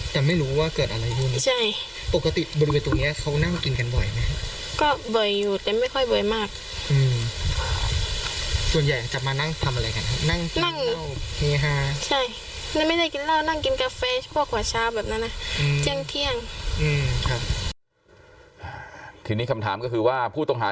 แต่ไม่รู้ตรงไหนครับอืมระวังอ่ะ